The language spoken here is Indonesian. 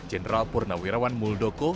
jenderal purnawirawan muldoko